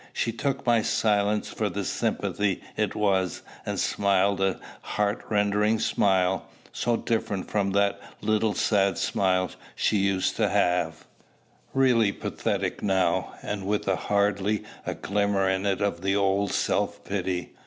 She took my silence for the sympathy it was, and smiled a heart rending smile, so different from that little sad smile she used to have; really pathetic now, and with hardly a glimmer in it of the old self pity.